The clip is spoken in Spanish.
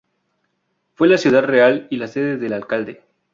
Fue la ciudad real y la sede del alcalde.